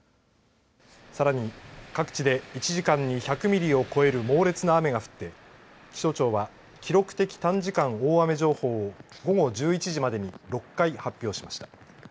さらに各地で１時間に１００ミリを超える猛烈な雨が降って気象庁は記録的短時間大雨情報を午後１１時までに６回発表しました。